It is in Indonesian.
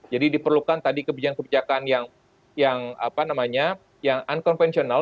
jadi diperlukan tadi kebijakan kebijakan yang unconventional